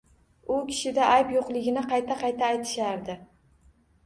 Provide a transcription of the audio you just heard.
U kishida ayb yo`qligini qayta-qayta aytishardi